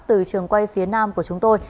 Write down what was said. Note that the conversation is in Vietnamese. từ trường quay phía nam của chúng tôi